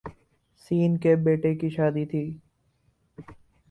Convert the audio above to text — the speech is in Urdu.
س کے بیٹے کی شادی تھی